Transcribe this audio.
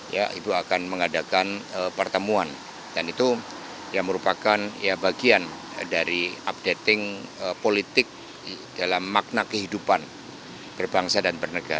ya ibu akan mengadakan pertemuan dan itu yang merupakan bagian dari updating politik dalam makna kehidupan berbangsa dan bernegara